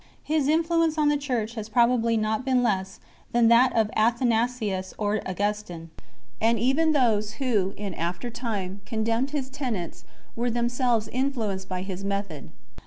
His influence on the Church has probably not been less than that of Athanasius or Augustine; and even those who in after time condemned his tenets were themselves influenced by his method.